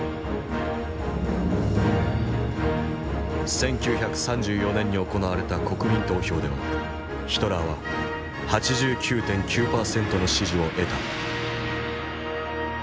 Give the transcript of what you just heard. １９３４年に行われた国民投票ではヒトラーは８９．９％の支持を得た。